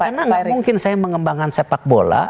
karena enggak mungkin saya mengembangkan sepak bola